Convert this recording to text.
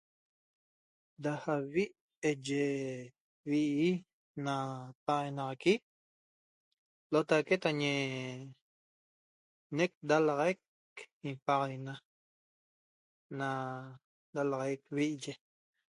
Da avit eye vi iye na paxaguenaxaqui Lotaque tañe nec dalaxaic inpaxaguena na dalaxaic vi iye